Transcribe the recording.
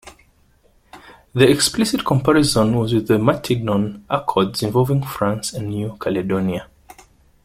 The explicit comparison was with the Matignon Accords involving France and New Caledonia.